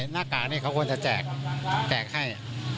หน้ากากนี้เขาควรจะแจกให้